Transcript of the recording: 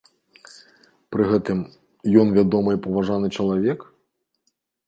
Пры гэтым, ён вядомы і паважаны чалавек?